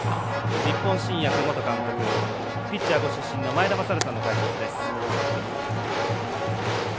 日本新薬元監督ピッチャーご出身の前田正治さんのご解説です。